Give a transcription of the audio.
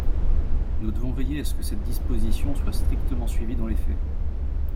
Nous devons veiller à ce que cette disposition soit strictement suivie dans les faits.